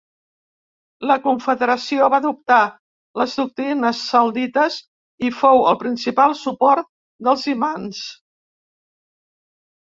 La confederació va adoptar les doctrines zaidites i fou el principal suport dels imams.